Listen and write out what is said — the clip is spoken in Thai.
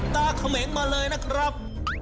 เขมงมาเลยนะครับ